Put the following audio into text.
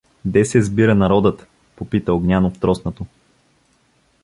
— Де се сбира народът? — попита Огнянов троснато.